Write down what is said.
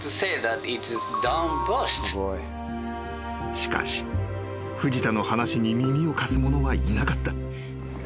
［しかし藤田の話に耳を貸す者はいなかった］